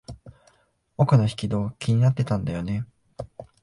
奥の引き戸、気になってたんだよね。